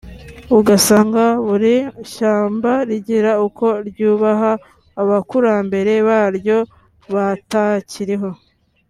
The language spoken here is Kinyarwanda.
ugasanga buri shyanga rigira uko ryubaha abakurambere baryo batakiriho